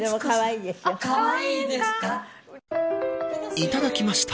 いただきました。